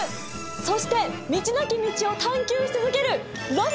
そして道なき道を探究し続けるロマン！